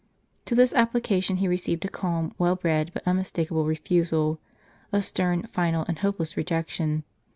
To this application he received a calm, well bred, but unmistakable refusal ; a stern, final, and hopeless rejection.